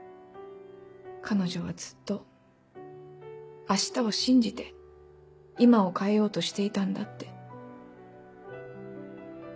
彼女はずっと明日を信じて今を変えようとしていたんだって。